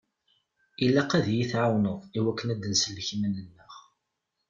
Ilaq ad yi-tɛawneḍ i wakken ad nsellek iman-nneɣ.